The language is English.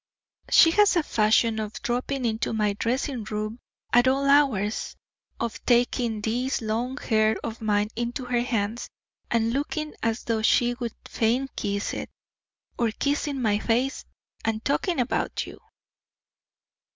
"She has a fashion of dropping into my dressing room at all hours, of taking this long hair of mine into her hands, and looking as though she would fain kiss it, of kissing my face, and talking about you."